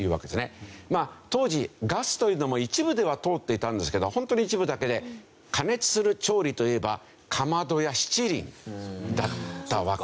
まあ当時ガスというのも一部では通っていたんですけど本当に一部だけで加熱する調理といえばかまどや七輪だったわけですよね。